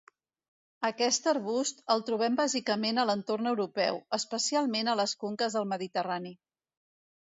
Aquest arbust el trobem bàsicament a l'entorn europeu, especialment a les conques del Mediterrani.